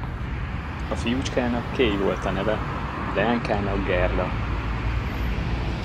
A fiúcskának Kay volt a neve, a leánykának Gerda.